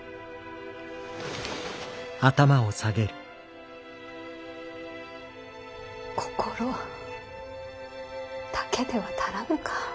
心だけでは足らぬか。